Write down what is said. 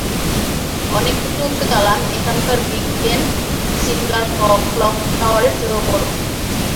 অনেক উঁচু উঁচু দালান, এখানকার বিগ বেন, সিমলার ক্লক টাওয়ারের চেয়েও বড়।